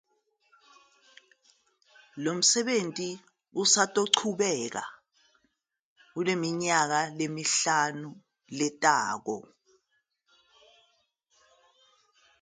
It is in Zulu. Lo msebenzi uzoqhubeka kule minyaka emihlanu ezayo.